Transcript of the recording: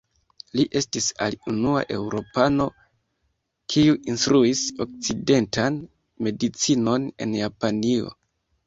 Li estis al unua eŭropano kiu instruis okcidentan medicinon en Japanio.